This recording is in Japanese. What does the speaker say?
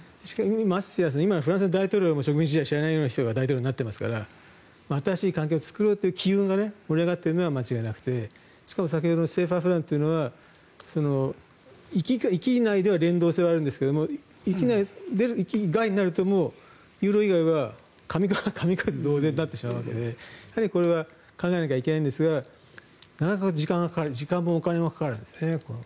ましてや今のフランス大統領も植民地支配を知らないような人が大統領になっていますから新しい関係を作ろうという機運が盛り上がっているのは間違いなくて先ほどのＣＦＡフランというのは域内では連動性があるんですが域外になるとユーロ以外は紙くず同然になってしまうわけでこれは考えなきゃいけないんですがなかなか時間もお金もかかるんですね。